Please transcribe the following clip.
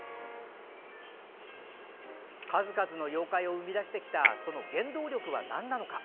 数々の妖怪を生み出してきたその原動力はなんなのか。